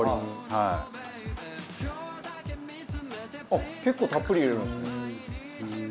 あっ結構たっぷり入れるんですね。